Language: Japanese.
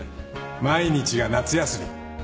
毎日が夏休み。